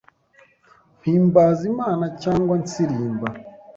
mpimbaza Imana cyangwa nsirimba